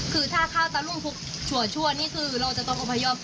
คือถ้าข้าวตะลุ้งทุกชั่วชั่วนี่คือเราจะต้องอบพยพ